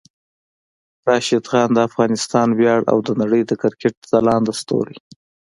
راشد خان د افغانستان ویاړ او د نړۍ د کرکټ ځلانده ستوری